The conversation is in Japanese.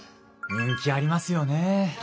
人気ありますよね。